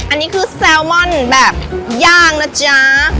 อันนี้คือแซลมอนแบบย่างนะจ๊ะ